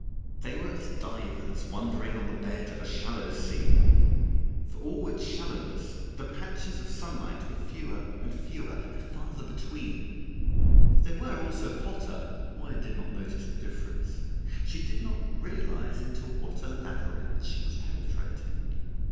They were as divers wandering on the bed of a shallow sea; for all its shallowness, the patches of sunlight were fewer and fewer, and farther between; if they were also hotter, Moya did not notice the difference. She did not realize into what a labyrinth she was penetrating.